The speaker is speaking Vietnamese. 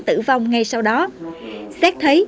tử vong ngay sau đó xét thấy